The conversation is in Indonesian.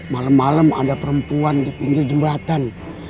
malem malem ada perempuan di pinggir jembatan